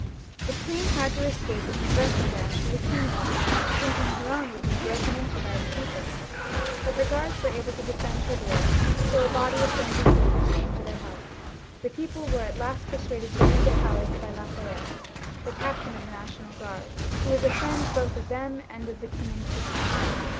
The queen had to escape in her dressing gown to the king's room, thinking her own would be broken into by the people, but her guards were able to defend her door until a body of friendly soldiers came to their help. The people were at last persuaded to leave the palace by Lafayette, the captain of the National Guard, who was a Mend both of them and of the king and queen.